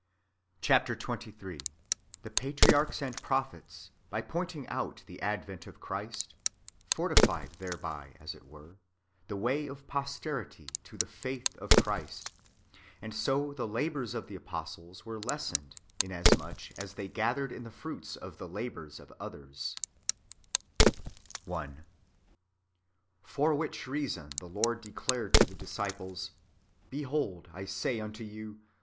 Chap, xxiti. — The patriarclis and propltcts, hy poinibuj out tlie advent of Christ, fortified tlierchy, as it icere, the way of posterity to the faith of Christ ; and so the labours of the apostles ivere lessened, inasmuch as they gathered in the fruits of the labours of others, 1. For which reason the Lord declared to the disciples :" Behold, I say unto you.